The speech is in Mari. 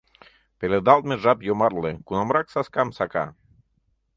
Пеледалтме жап йомартле, Кунамрак саскам сака?